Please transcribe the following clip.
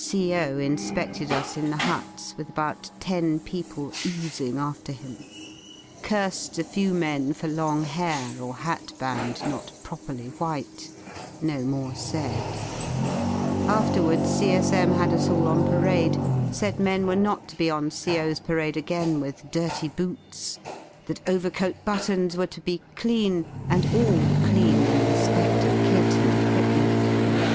The CO. inspeded us in the huts with about ten people oozing after him. Cursed a few men for long hair or hat band not properly white; no more said. Afterwards C.S.M. had us all on parade, said men were not to be on C O.'s parade again with dirty boots, that overcoat buttons were to be clean, and all clean in respedl of kit and equipment.